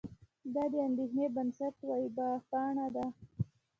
دا د اندېښې بنسټ وېبپاڼه ده.